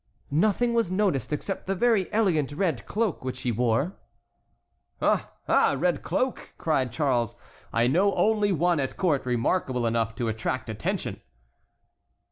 "Nothing was noticed except the very elegant red cloak which he wore." "Ah! ah! a red cloak!" cried Charles. "I know only one at court remarkable enough to attract attention."